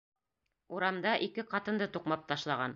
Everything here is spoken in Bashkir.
Урамда ике ҡатынды туҡмап ташлаған.